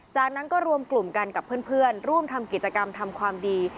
จากนั้นก็รวมกลุ่มกันกับเพื่อนร่วมทำกิจกรรมทำความดี